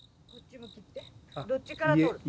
どっちから撮る？